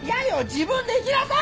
自分で行きなさい！